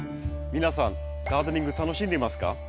皆さんガーデニング楽しんでいますか？